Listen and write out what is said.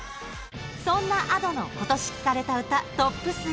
そんなＡｄｏの今年聴かれた歌トップ３。